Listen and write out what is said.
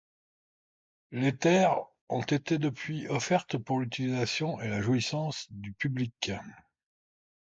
Les terres ont depuis été offertes pour l'utilisation et la jouissance du public.